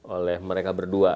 oleh mereka berdua